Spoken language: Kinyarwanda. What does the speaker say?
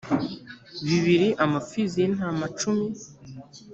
bibiri amapfizi y’intama cumi